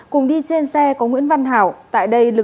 cùng đi trên xe có nguyễn văn hảo